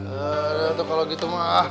eh itu kalau gitu mah